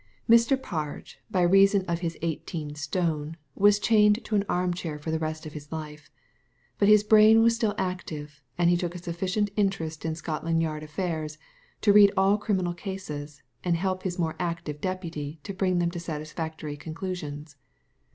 Mr. Parge, by reason of his eighteen stone, was chained to an armchair for the rest of his life ; but his brain was still active, and he took a sufficient interest in Scotland Yard affairs to read all criminal cases, and help his more active deputy to bring them to satisfactory conclusions.